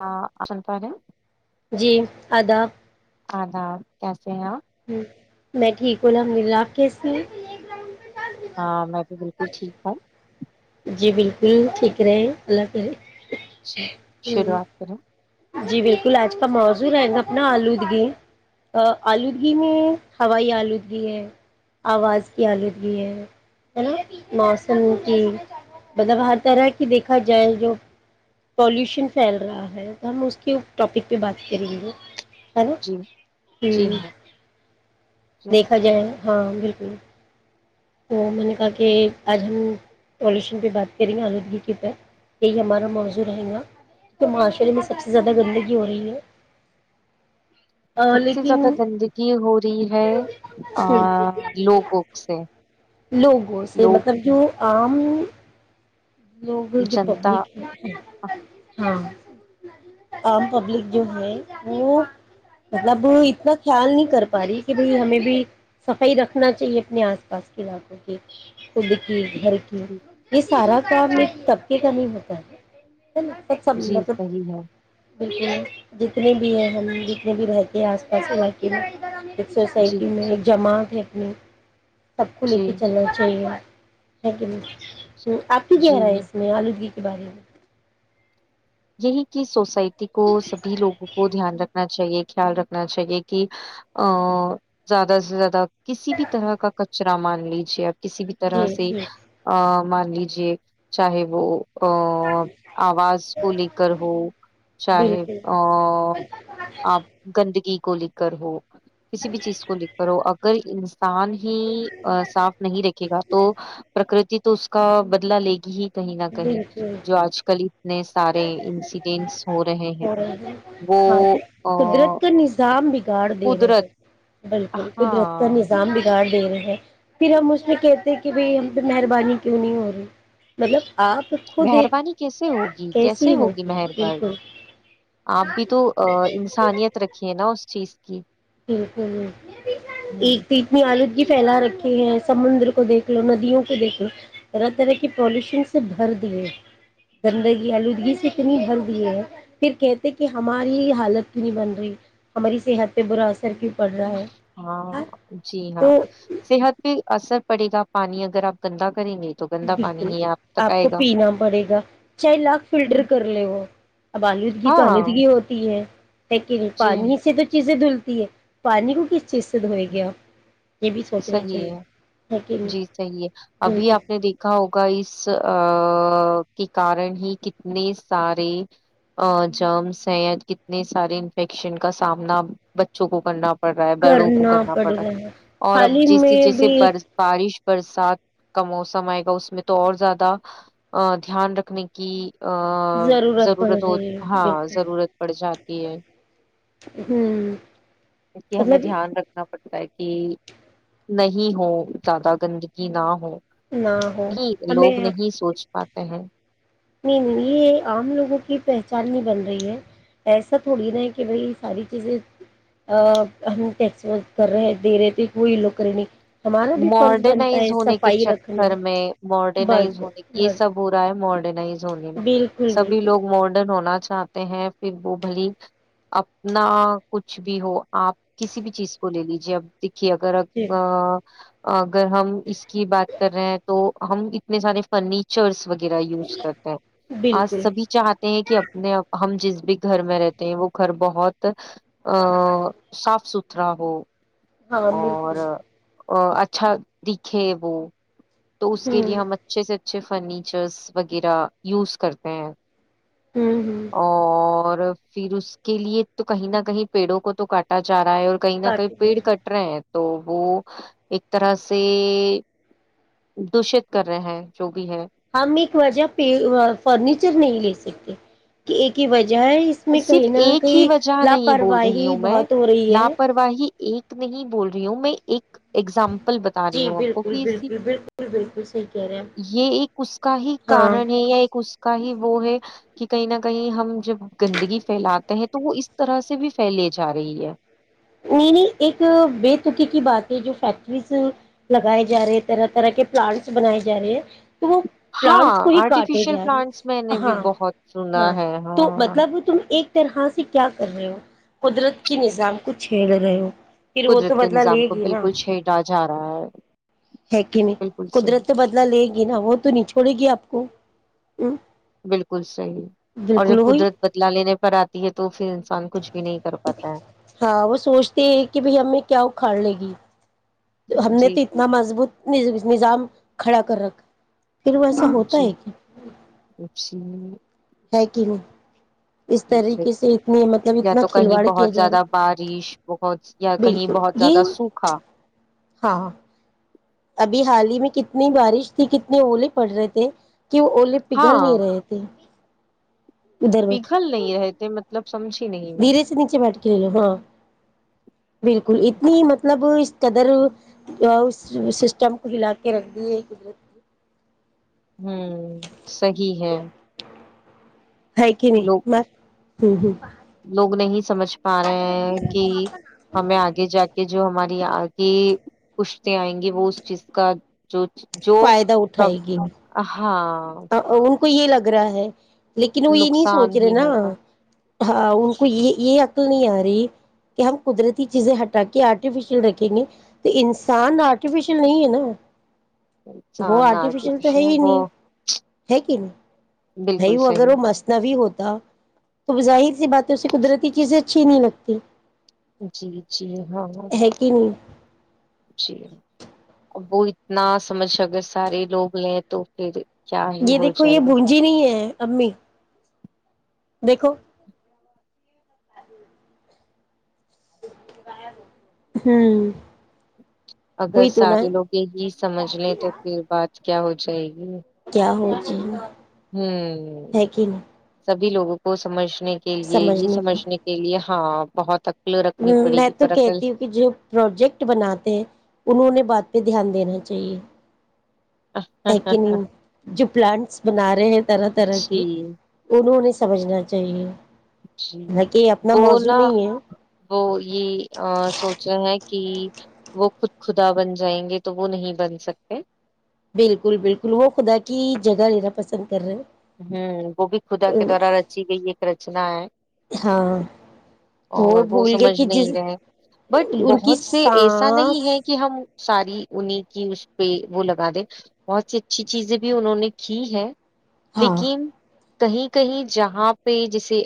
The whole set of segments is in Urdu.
ہاں سن پہالے جی آدا آدھاب کیسے ہیںپ ہ میں ٹھیک ہولا ہم ملا کیسے ہاں میں بالکل ٹھیک بھائی جی بالکل ٹھیک رہے اللہ پظ جی شروعات کریں جی بالکل آج کا موضوع رہے گا اپنا آلودگی آلودگی میں ہوائی آلودگی ہے آواز کی آلودگی ہے نا موسم کی مطلب ہر طرح کی دیکھا جائے جو پولوشن پھیل رہا ہے تو ہم اس کے ٹاپک پہ بات کریں گے ارے جی جی ہوں ہاں جی دیکھا جائے ہاں بالکل میں نے کہا کہ اب ہم پوزیشن پہ بات کر رہی ہیں ہمارا موضوع رہے گا تو معاشرے میں سب سے زیادہ گندگی ہو رہی ہے سب سے زیادہ لیکن گندگی ہو رہی ہے لوگوں سے لوگوں سے لوگ مطلب جو آم لوگ جو جنتا پبلک ہے ہاں عام پبلک جو ہے وہ مطلب اتنا خیال نہیں کر پا رہی کہ بھائی ہمیں بھی صفائی رکھنا چاہیے اپنے آس پاس علاقوں کی خود کی گھر کی جی یہ سارا کام جی ایک طب کے نہیں ہوتا ہے ایک جی س صحیح ہے بالکل جتنے بھی ہے ہمیں جتنے بھی رہتے ہیں آس پاس علاقے میں جی سوسائٹی میں ایک جمع لکھنی سب کو لے جی کے چلنا چاہیے سک م آپ ہی جی کہہ رہاے ہیں اس میں آلودگی بار کی سوسائٹی کو سب لوگوں کو دھیان رکھنا چاہیے خیال رکھنا چاہیے کہ ا زیادہ سے زیادہ کسی بھی طرح کا ک شرا مان لیجے کسی بھی طرح جی سے جی ا لیجے چاہے وہ او آواز کو لے کر ہو چاہے بالکل آپ گندگی کو ل کرر ہو کسی بھی چیز کو لکھ کرو ا کر سان ہی صاف نہیں رکھے گا تو پرکرتی تو اس کا بدلا لے گی ہی کہیں نہ کہیں جو آج کل اتنے انسیڈینٹس ہو رہے ہیں رہ وہ ہاں تو آ، قدرت کا نظام بگاڑ دے رہے قدرت ہیں بالکل قدرت کا ہاں نظام بگاڑ دے رہے ہیں پھر ہم اس کہتے ہیں کہ بھائی ہم پہ مہربانی کیوں نہیں ہو رہی مطلب آپ خود ایک مہربانی کیسے ہوگی کیسے کیسی ہوگی مہرب بالکل آپ بھی تو انسانیت رکھیے نا اس چیز کہ بالکل ایک تو اتنی آلودگی پھیلا رکھے ہیں سمندر کو دیکھ لو ندیوں کو دیکھ لو طرح طرح کے پالوشن سے بھر دیے گندگی آلودگی سے کتنی بھر دیے ہیں پھر کہتے کہ ہماری حالت کیتنی بن رہی ہماری صحت برا سر کی ہاں جی ہاں تو صحت بھی اثر پڑے گا پانی اگر آپ گندا کریں گے تو گندا پانی بالکل ہی تک آپ آئے کو گا پینا پڑے گا چار لاکھ ہوں، فلٹر کر لے وہ اب آلودگی تو ہاں آلودگی ہوتی ہے لیکن جی پانی سے تو چیزیں دھل ہے پانی کو کس شت ہو جی، گیا یہ بھی سوچنا صحیح ہے چاہیے جی صحیح ہے ابھی آپ نے ہوگا اس کےارن ہی کتنے سارے جرمس ہیں یا کتنے سارے انفیکشن کا سامنا بچوں کو کرنا پڑ رہا ہے بڑو کو کرنا پڑ پڑا رہا ہے اور اب حال ہی جیس میں جیسے بھی ایک برف بغ بارش برسات کا موسم آئے گا اس میں تو اور زیادہ دھیان رکھنے کی ا پڑ ضرورت ہو رہی ہے ہاں بالکل ضرورت پڑ ج ج ہے ہوں اس کی ہمیں مطلب دھیان رکھنا پتا ہے کہ نہیں ہو زیادہ گندگی نہ ہو نہ ہو نہیں ہمیں لوگ نہیں سوچ پاتے ہیں نہیں نہیں یہ عام لوگوں کی پہچان ہی بن رہی ہے ایسا تھوڑی نہ کہ بھائی یہ ساری چیزیں ہم ٹیکس کر رہے دے رہے تھے کوئی لوگ کر نہیں ہمارا بھی فرض بنتا ماڈرنائز ہے ہونے کے صفائی رکھنا چکر میں بس ماڈرنائز ہونے بس یہ بس سب ہو رہا ہے ماڈرن ز ہو بالکل سبھی بالکل لوگ ماڈرن ہونا چاہتے ہیں پھر وہ بھلی اپنا کچھ بھی ہو آپ کسی بھی چیز کو لے لیجیے اب اگر جی ا اگر ہم اس کی بات کر رہے ہیں تو ہم اتنے سارے فرنیچرس وغیرہ یوز کرتے ہیں آج بالکل سبھی چاہتے ہیں کہ اپنے ہم جس بھی گھر میں رہتے ہیں وہ گھر بہت ا صاف سترا راہو ہاں بالکل ا اچھا دکھے وہ تو اس کے لیے ہوں ہم اچھے سے اچھے فرنیچرس وغیرہ یوز کرتے ہیں ہوں ہوں اور پھر اس کے لیے تو کہیں نہ کہیں پیڑوں کو تو کاٹا جا رہا ہے اور کہیں نہ کہیں پیڑ ہوں کٹ تو وہ ایک طرح سے دشت کر رہے ہیں جو بھی ہے ہم ایک وجہ پ فرنیچر نہیں لے سکتے کہ ایک ہی وجہ ہے اس میں صرف کہیں نہ ایک ہی کہیں وجہ نہیں بول رہی لاپرواہی ہوں میں بہت ہو رہی ہے لاپرواہی ایک نہیں بول رہی ہوں میں ایک ایگزامپل بتا رہی جی ہوں آپ کو بالکل کہ بالکل بالکل بالکل صحیح کہہ رہے ہیں یہ ایک اس کا ہی ہاں کارن ہے یا ایک اس کا ہی وہ ہے کہ کہیں نہ کہیں ہم جب گندگی فھیلاتے ہیں تو وہ اس طرح سے بھی پھیلے جا رہی ہے نہیں نہیں ایک بےتکی کی بات ہے جو فیکٹریز لگائے جا رہے طرح طرح کے پلانٹس بنائے جا رہے ہیں تو وہ ہاں پلانٹس کو ہی کاٹے آرٹیفیشیل جائے پلانٹس میں گا نے بھی ہاں بہت سنا ہاں ہے تو ہاں مطلب تم ایک طرح سے کیا کر رہے ہو قدرت کے نظام کچھ چھیل رہ پھر وہ تو قدرت کے بدلا لے نظام کو گی نا بالکل چھیڑا جا رہا ہے ہے کہ نہیں بالکل صحیح قدرت تو بدلا لے گی نا وہ تو نہیں چھوڑے گی آپ آک کو بالکل صحیح اور جب بالکل وہی قدرت بدلا لینے پر آتی ہے تو پھر انسان کچھ بھی نہیں کر پاتا ہے ہاں وہ سوچتے ہیں کہ بھائی ہمیں کیا اکھاڑ لے گی ہم نے جی تو جی اتنا مضبوط نہیں نظام کھڑا کر رکھ پھر وہ ایسا ہوتا جی ہے کہ جی ہے کہ نہیں اس جے طریقے سے اتنی مطلب یا اتنا تو کہیں کھلواڑ کیا بہت جا زیادہ رہا بارش بہت یا کہیں بالکل بہت زیادہ یہ سوکھا ہاں ابھی حال ہی میں کتنی بارش تھی کتنے ال پڑ رہے تھے کہ وہ اوولے پگھل ہاں نہیں رہے تھے ادھر بیٹھ پگھل نہیں رہے تھے مطلب سمجھی نہیں میں ویر سے نیچے بیٹ کے ل ل ہاں بالکل اتنی مطلب اس قدر سسٹم کو ہلا کے رکھ دیے قدرت کی ہوں صی ہے آ کہ نہیں لوگ مر ہمم ہمم۔ لوگ نہیں۔۔۔ سمجھ پا رہے ہیں کہ ہمیں آگے جا کے جو ہماریے آگے پوچھتے آئیں گے وہ اس چیز کا جو۔۔۔ جو فائدہ اٹھائے گی ہاں۔ ان کو یہ لگ رہا ہے لیکن وہ یہ نہیں نقصان سوچ رہے ہی نا ہوگا ہاں ان کو یہ یہ عقل نہیں آ رہی کہ ہم قدرتی چیزیں ہٹا کے آرٹیفیشیل رکھیں گے تو انسان آرٹیفیشیل نہیں ہے نا وہ انسان آرٹیفیشل تو ہے ہی وہ نہیں ہے کی نہیں نہیںی بالکل وغیرہ صحیح مستنوی ہوتا تو ظاہر سی باتیں اس سے قدرتی چیزیں اچھی نہیں لگتی جی جی ہاں ہاں ہے کہ نہیں جی وہ اتنا سمجھ اگر سارے لوگ لیں تو پھر کیا ہی یہ ہو دیکھو جائے یہ گا بونجی نہیں ہے امی دیکھو ہوں اگر ہوئی تو نا سارے لوگ یہ ہی سمجھ لیں تو پھر بات کیا ہو جائے گی [unintelligible] ہوں ہے کہ نہیں سب بھی لاگو کو سمجھ نے کے لیے یہ سمجھنے کے لیے ہاں بہت ا میں تو کہتی ہوں کہ جو پروجیکٹ بناتے ہیں انہوں نے بات پہ دھیان دینی چاہیے ہے کی نہیں جو پلانٹس بنا رہے ہیں طرح طرح کے جی انہوں نے سمجھنا چاہیے جی حالانکہ یہ اپنا وہ موضوع نا نہیں ہے وہ یہ سوچ رہے ہیں کہ وہ خود خدا بن جائیں گے تو وہ نہیں بن سکتے بالکل بالکل وہ خدا کی جگہ لینا پسند کر رہے ہیں ہوں وہ بھی خدا کے دوارا رچی گئی ایک رچنا ہے ہاں اور وہ بھول گئے سمجھ کہ جس نہیں رہے بٹ ان کی بہت سے ایسا نہیں سانس ہے کہ ہم ساری انہیں کی اس پہ وہ لگا دے بہت سی اچھی چیزیں بھی انہوں نے کی ہے ہاں لیکن کہیں کہیں جہاں پہ جیسے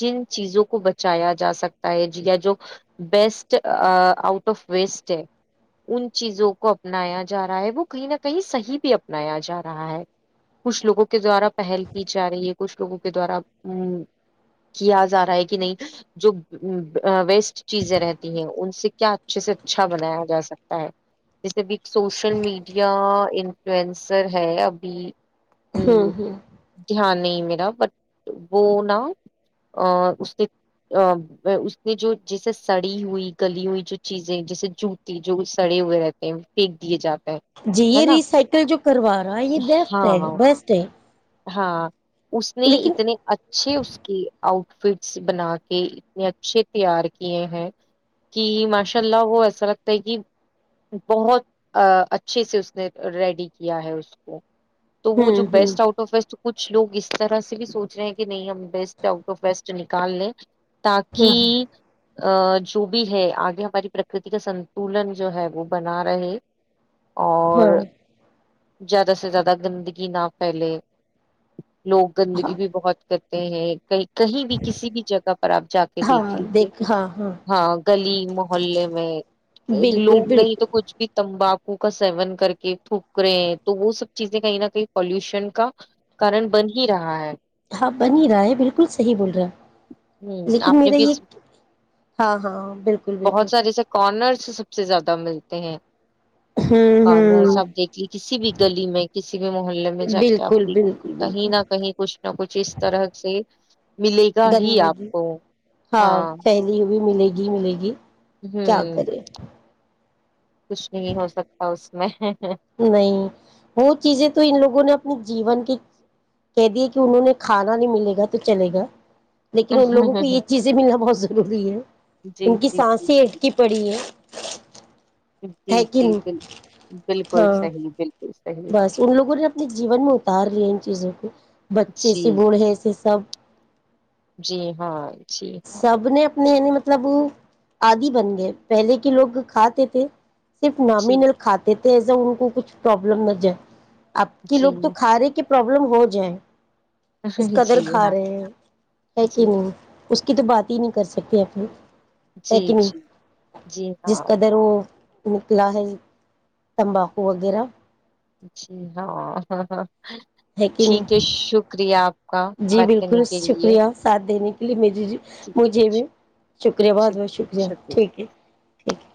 جن چیزوں کو بچایا جا سکتا ہے یا جو بیسٹ آؤٹ آف ویسٹ ہے ان چیزوں کو اپنایا جا رہا ہے وہ کہیں نہ کہیں صحیح بھی اپنایا جا رہا ہے کچھ لوگوں کے دوارا پہل کی جا رہی ہے کچھ لوگوں کے دوارا ا کیا جا رہا ہے کہ نہیں جو ویسٹ چیزیں رہتی ہیں ان سے کیا اچھے سے اچھا بنایا جا سکتا ہے جیسے بھی سوشل میڈیا فلوینسر ہے ابھی ہوں ہوں دھیان نہیں میرا بٹ وہ نا اس اس نے جو جیسے سڑی ہوئی گلی ہوئی جو چیزیں جیسے جوتی جو سڑے ہوئے رہتے ہیں پنک دیے جاتے ہیں جی ہے یہ نا ریسائیکل جو کروا رہا ہے یہ د ہاں بسٹ [inaudible] ہاں اس نے اتنے اچھے اس کی آؤٹ فٹس بنا کے اتنے اچھے تیار کیے ہیں کہ ماشاء اللہ وہ ایسا لگتا ہے کہ بہت اچھے سے اس نے ریڈی کیا ہے اس کو تو وہ جو ہوں ہوں بیسٹ آؤٹ کچھ لوگ اس طرح سے بھی سوچ رہے ہیں کہ نہیں ہم بیسٹ آؤٹ آف وسٹ نکال لیں ہوں تاکہ ا جو بھی ہے آگے ہماری پرکرتی کا سنتولن جو ہے وہ بنا رہے ہاں اور زیادہ سے زیادہ گندگی نہ پھیلے لوگ ہاں گندگی بھی بہت کر [unintelligible] کہ کہیں بھی کسی بھی جگہ پر آپ جا کے دیکھ لیجے ہاں گلی محللے میں بالکل لوگ نہیں بالکل تو کچھ بھی تمبا ک کا سیون کر کے پوکرے ہیں تو وہ سب چیزیں کہیں نہ کہیں پالوشن کا کارن بن ہی رہا ہے ہاں بن ہی رہا ہے بالکل صحیح بول رہا ہ لیکن آپ نے میرا بھی یہ اس- ہاں ہاں بالکل بالکل بہت سارے جیسے کارنرس اس سے سب سے زیادہ ملتے ہیں ہوں کنرس ہوں آپ دیکھ لی کسی بھی گلی میں کسی بھی محلے میں جا کے آپ بالکل دیکھ بالکل کہیں بالکل نہ کہیں کچھ نہ کچھ اس طرح سے ملے گا ہی آپ گندگی کو ہاں بھی ملے گی ملے گی کیا ہوں کرے کچھ نہیں ہو سکتا اس میں نہیں وہ چیزیں تو ان لوگوں نے اپ جیون کے کہہ دیے کہ انہوں نے کھانا نہیں ملے گا تو چلے گا لیکن ان لووں کو یہ چیزیں ملنا بہت ضروری [unintelligible] جی ان کی جی جی سانس ہی اٹک پڑی ہے جی ہے کہ جی نہیں ب بالکل ہاں صحیح بالکل صحیح بس ان لوگوں نے اپنے جیون میں اتار لیا ان چیزوں کو بچے سے جی بوڑھے سے سب جی ہاں جی ہاں نہیں نہیں مطلب آدی بن گئے پہلے کے لوگ کھاتے تھے صرف جی نامینل کھاتے ایزا ان کو کچھ پرابلم نہ جائے آپ کے جی لوگ تو کھا رہے کہ پرابلم ہو جائے اس قدر جی کھا ہاں رہے ہیں ہے کہ جی نہیں اس کی تو بات ہی نہیں کر سکتے اپنی ہے جی کہ نہیں جی جی جس ہاںے قدر وہ نکلا ہے تمباکو وغیرہ جی ہاں ہ ہاں ہے کہ نہیں آپ کا جی بات بالکل کرنے کے لیے شکریہ ساتھ دینے کے لیے مری چ مجھے چ بھی شکریہ چ بہت بہت شکریہ چک ٹھیک ہے ٹھیک ہے